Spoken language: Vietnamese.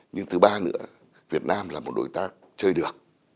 nhưng thứ ba nữa việt nam là một đối tác chơi được